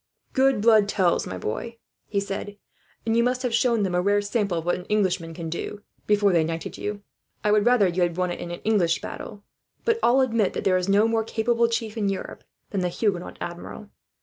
"Good blood tells, my boy," he said; "and you must have shown them a rare sample of what an Englishman can do, before they knighted you. I would rather you had won it in an English battle, but all admit that there is no more capable chief in Europe than the Huguenot Admiral.